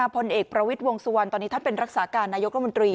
พลเอกประวิทย์วงสุวรรณตอนนี้ท่านเป็นรักษาการนายกรัฐมนตรี